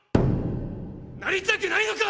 なりたくないのか！？